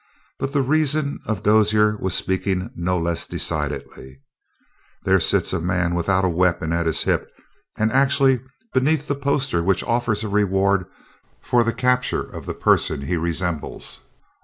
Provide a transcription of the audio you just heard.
But the reason of Dozier was speaking no less decidedly: "There sits a man without a weapon at his hip and actually beneath the poster which offers a reward for the capture of the person he resembles.